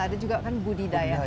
ada juga kan budidaya